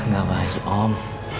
gak bahagia om